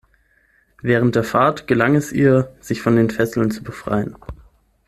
Während der Fahrt gelang es ihr, sich von den Fesseln zu befreien.